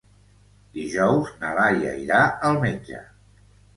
Dijous na Laia irà al metge.